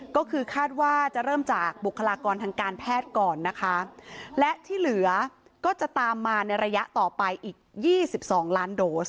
ก็คือคาดว่าจะเริ่มจากบุคลากรทางการแพทย์ก่อนนะคะและที่เหลือก็จะตามมาในระยะต่อไปอีก๒๒ล้านโดส